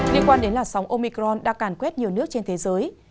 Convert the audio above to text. điều quan đến là sóng omicron đã càn quét nhiều nước trên thế giới